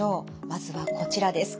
まずはこちらです。